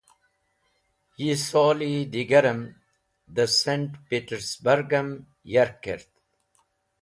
Yi soli digarem dẽ Saynt Petersburgem yark kert.